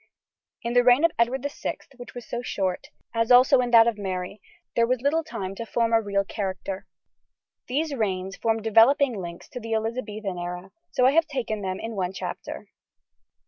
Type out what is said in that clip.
In the reign of Edward VI, which was so short, as also in that of Mary, there was little time to form a real character. These reigns form developing links to the Elizabethan era, so I have taken them in one chapter. [Illustration: FIG. 47. FIG. 48.